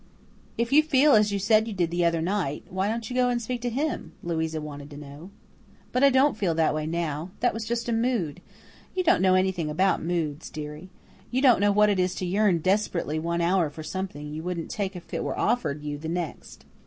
"If you feel as you said you did the other night, why didn't you go and speak to him?" Louisa wanted to know. "But I don't feel that way now. That was just a mood. You don't know anything about moods, dearie. You don't know what it is to yearn desperately one hour for something you wouldn't take if it were offered you the next."